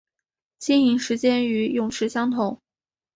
营业时间与泳池相同。